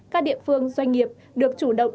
các địa phương doanh nghiệp được chủ động